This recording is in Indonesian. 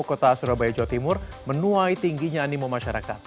kota surabaya jawa timur menuai tingginya animo masyarakat